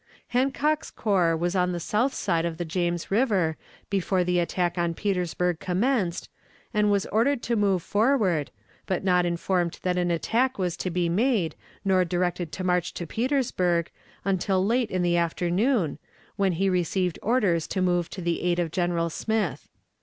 Hancock's corps was on the south side of the James River, before the attack on Petersburg commenced, and was ordered to move forward, but not informed that an attack was to be made, nor directed to march to Petersburg until late in the afternoon, when he received orders to move to the aid of General Smith.